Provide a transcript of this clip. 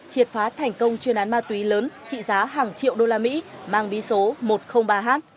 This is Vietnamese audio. triệt phá thành công chuyên án ma túy lớn trị giá hàng triệu đô la mỹ mang bí số một trăm linh ba h